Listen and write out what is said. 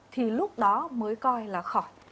thì lúc đó mới coi là khỏi